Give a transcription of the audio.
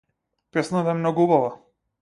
Песната е многу убава.